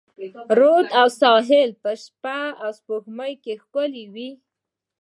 رود او ساحل به شپه، سپوږمۍ ښکلوي